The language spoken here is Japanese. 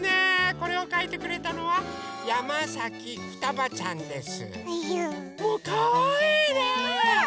これをかいてくれたのはおかもとるみちゃんです。